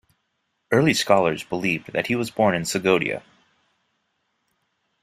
Early scholars believed that he was born in Sogdia.